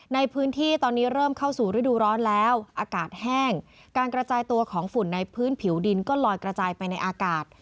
ในพื้นที่ตอนนี้เริ่มเข้าสู่ฤดูร้อนแล้วอากาศแห้งการกระจายตัวของฝุ่นในพื้นผิวดินก็ลอยกระจายไปในอากาศ